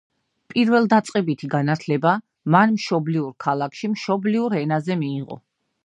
პირველდაწყებითი განათლება მან მშობლიურ ქალაქში, მშობლიურ ენაზე მიიღო.